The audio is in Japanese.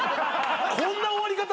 こんな終わり方？